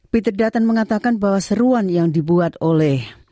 peter dutton mengatakan bahwa seruan yang dibuat oleh